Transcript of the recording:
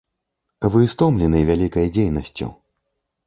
Вы стомлены вялікай дзейнасцю.